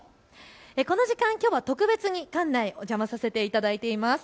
この時間、きょうは特別に館内、お邪魔させていただいています。